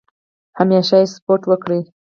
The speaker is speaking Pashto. همیشه سپورټ وکړئ.